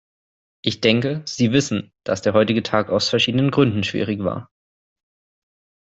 Ich denke, Sie wissen, dass der heutige Tag aus verschiedenen Gründen schwierig war.